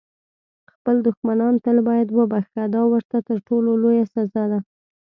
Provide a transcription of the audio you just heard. خپل دښمنان تل باید وبخښه، دا ورته تر ټولو لویه سزا ده.